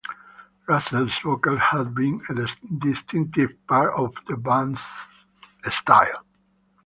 Russell's vocals have been a distinctive part of the band's style.